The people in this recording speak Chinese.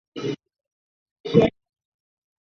神志的传说有抄袭黄帝时期仓颉造字的嫌疑。